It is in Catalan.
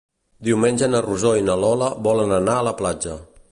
Diumenge na Rosó i na Lola volen anar a la platja.